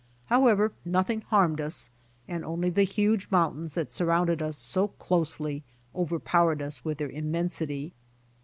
However nothing harmed us, and only the huge mountains that surrounded us so closely overpoAvered us with their immensity.